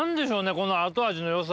この後味の良さ。